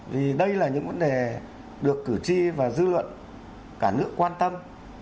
vì đây là những vấn đề được cử tri và dư luận cả nước quan tâm